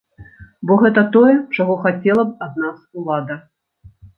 Бо гэта тое, чаго хацела б ад нас улада.